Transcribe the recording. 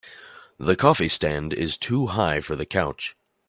The coffee stand is too high for the couch.